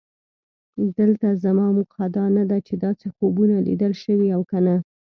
دلته زما موخه دا نه ده چې داسې خوبونه لیدل شوي او که نه.